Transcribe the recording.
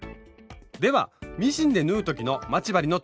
ではミシンで縫う時の待ち針の留め方です。